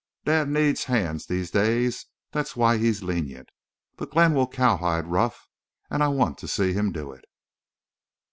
Dad needs hands these days. That's why he's lenient. But Glenn will cowhide Ruff and I want to see him do it."